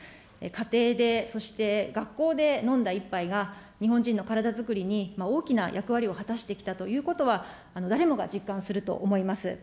家庭で、そして学校で飲んだ１杯が日本人の体作りに、大きな役割を果たしてきたということは、誰もが実感すると思います。